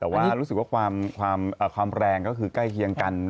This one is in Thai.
แต่ว่ารู้สึกว่าความแรงก็คือใกล้เคียงกัน